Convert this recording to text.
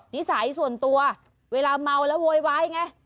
นิสัยส่วนตัวเวลาเมาแล้วโวยวายไง